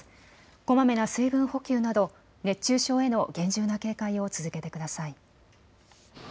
こまめな水分補給など熱中症への厳重な警戒を続けてください。